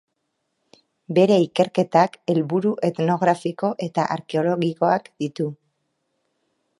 Bere ikerketak helburu etnografiko eta arkeologikoak ditu.